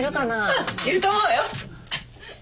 うんいると思うわよ。